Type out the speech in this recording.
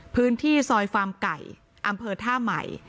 พื้นที่ซอยฟาร์มไก่อำเภอท่าใหม่